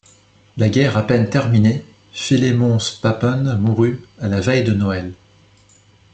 La guerre à peine terminée, Philémon S'papen mourut, à la veille de Noël.